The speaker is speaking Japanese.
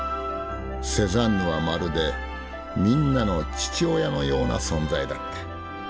「セザンヌはまるでみんなの父親のような存在だった。